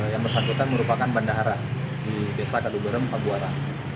yang bersangkutan merupakan bandara di desa kaduberem pabuara